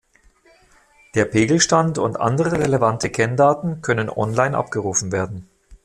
Der Pegelstand und andere relevanten Kenndaten können online abgerufen werden.